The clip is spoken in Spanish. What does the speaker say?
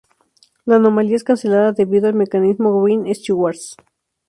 La anomalía es cancelada debido al mecanismo Green-Schwarz.